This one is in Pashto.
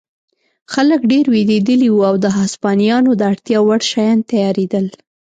خلک ډېر وېرېدلي وو او د هسپانویانو د اړتیا وړ شیان تیارېدل.